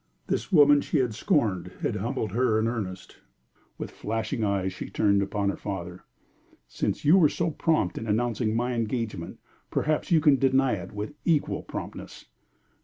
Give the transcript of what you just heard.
This woman she had scorned had humbled her in earnest. With flashing eyes she turned upon her father. "Since you were so prompt in announcing my engagement, perhaps you can deny it with equal promptness."